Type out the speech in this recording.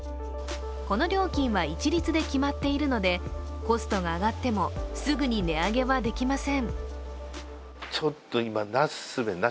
この料金は一律で決まっているのでコストが上がってもすぐに値上げはできません。